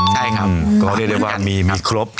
ใช่ครับก็เรียกได้ว่ามีครบ